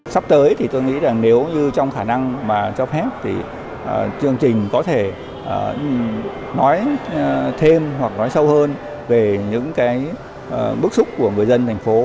sắp tới thì tôi nghĩ là nếu như trong khả năng mà cho phép thì chương trình có thể nói thêm hoặc nói sâu hơn về những cái bức xúc của người dân thành phố